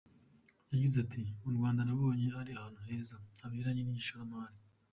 Yagize ati “Mu Rwanda nabonye ari ahantu heza haberanye n’ishoramari.